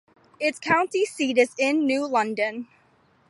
Its county seat is New London.